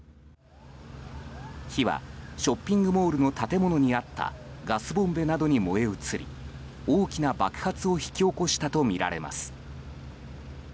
火はショッピングモールの建物にあったガスボンベなどに燃え移り大きな爆発を引き起こしたとみられます。